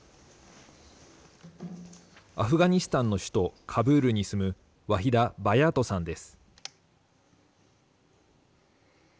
アフガニスタンの首都カブールに住むワヒダ・バヤートさんです。